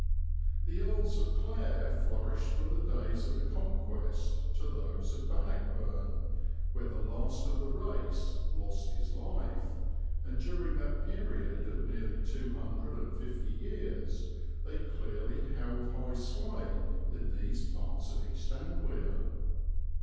The Earls of Clare flourished from the days of the Conquest to those of Bannockburn, where the last of the race lost his life, and during that period of nearly two hundred and fifty years they clearly held high sway in these parts of East Anglia.